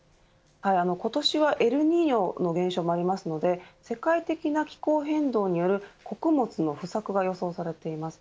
今年はエルニーニョ現象もありますので世界的な気候変動による穀物の不作が予想されています。